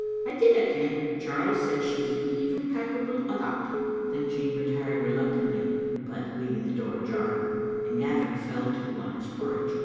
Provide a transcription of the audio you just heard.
"I dinna ken. Charles says she's even capable o' that." Then Jean retired reluctantly (but leaving the door ajar) and Gavin fell to on his porridge.